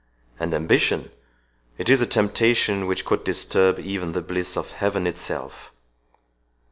—And ambition? it is a temptation which could disturb even the bliss of heaven itself."